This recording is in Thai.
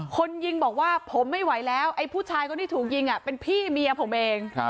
คนยิงบอกว่าผมไม่ไหวแล้วไอ้ผู้ชายคนที่ถูกยิงเป็นพี่เมียผมเอง